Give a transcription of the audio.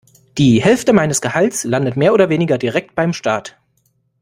Die Hälfte meines Gehalts landet mehr oder weniger direkt beim Staat.